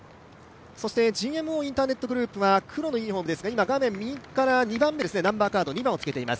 そしてＧＭＯインターネットグループは黒のユニフォームですが今、画面右から２番目のナンバーカード２番をつけています。